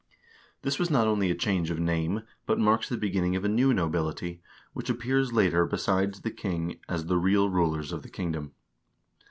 This was not only a change of name, but marks the beginning of a new nobility, which appears later besides the king as the real rulers of the kingdom.